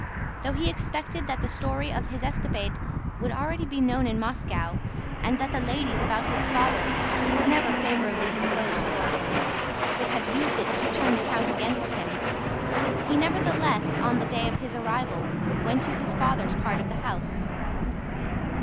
Though he expected that the story of his escapade would be already known in Moscow and that the ladies about his father—who were never favorably disposed toward him—would have used it to turn the count against him, he nevertheless on the day of his arrival went to his father's part of the house.